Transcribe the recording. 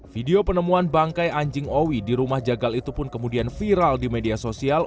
video penemuan bangkai anjing owi di rumah jagal itu pun kemudian viral di media sosial